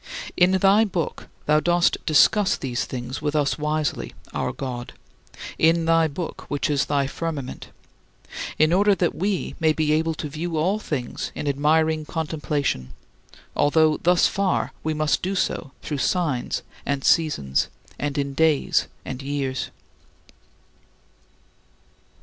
In thy book thou dost discuss these things with us wisely, our God in thy book, which is thy "firmament" in order that we may be able to view all things in admiring contemplation, although thus far we must do so through signs and seasons and in days and years.